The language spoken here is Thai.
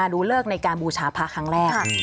ดูเลิกในการบูชาพระครั้งแรก